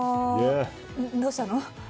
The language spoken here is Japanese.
どうしたの？